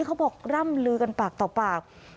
กร่ำลือกันปากต่อปาก